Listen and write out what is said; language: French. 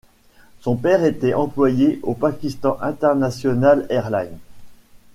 Son père était employé au Pakistan International Airline.